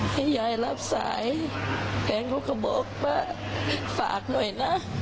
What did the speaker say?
ให้ยายรับสายแฟนเขาก็บอกว่าฝากหน่อยนะ